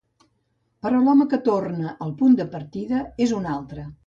Però l'home que torna al punt de partida és un altre.